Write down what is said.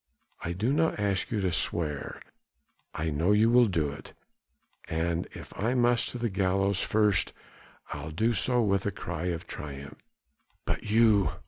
I don't ask you to swear I know you'll do it and if I must to the gallows first I'll do so with a cry of triumph." "But you...."